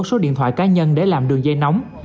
số điện thoại cá nhân để làm đường dây nóng